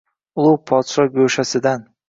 Ulug’ podsho go’shasidan